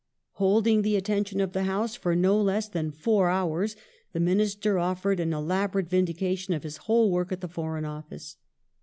Holding the attention of the House for no less than four houi s, the Minister offered an elaborate vindication of his whole work at the Foreign Office.